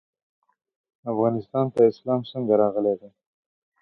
افغانستان ته اسلام څنګه راغلی دی؟